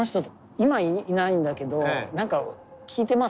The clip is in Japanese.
今いないんだけどなんか聞いてます？